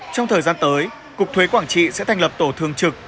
trong thời gian tới cục thuế quảng trị sẽ thành lập tổ thương trực